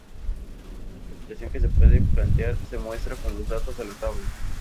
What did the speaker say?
Otra situación que se puede plantear se muestra con los datos de la tabla.